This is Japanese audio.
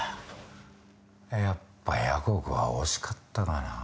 やっぱ１００億は惜しかったかな？